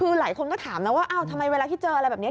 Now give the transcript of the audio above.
คือหลายคนก็ถามนะว่าอ้าวทำไมเวลาที่เจออะไรแบบนี้